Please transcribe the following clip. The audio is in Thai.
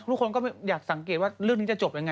ทุกคนก็อยากสังเกตว่าเรื่องนี้จะจบยังไง